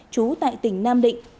chú tại tỉnh nam định